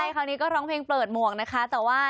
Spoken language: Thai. คราวนี้ก็ร้องเพลงเปิดหมวกนะคะ